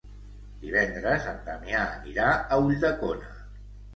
Divendres en Damià anirà a Ulldecona.